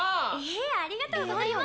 えっありがとうございます。